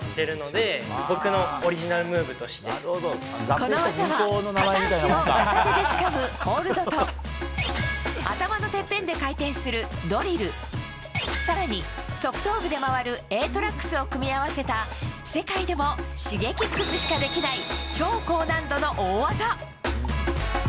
この技は片足を片手でつかむホールドと頭のてっぺんで回転するドリル更に側頭部で回るＡトラックスを組み合わせた世界でもＳｈｉｇｅｋｉｘしかできない超高難度の大技。